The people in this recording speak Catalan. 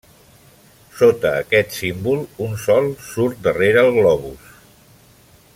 Sota aquest símbol, un sol surt darrere el globus.